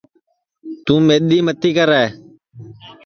توں گیدی متی کرے